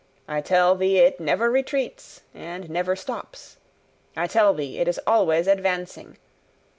I tell thee it never retreats, and never stops. I tell thee it is always advancing.